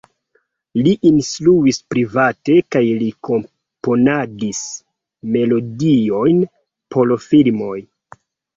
Li instruis private kaj li komponadis melodiojn por filmoj.